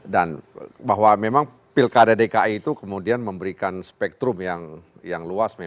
dan bahwa memang pilkada dki itu kemudian memberikan spektrum yang luas